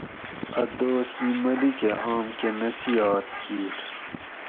اۤ دوس ایں ملیکہ آم کہ نصیات کِیر